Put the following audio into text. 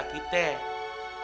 lu ngerti kan maksud gue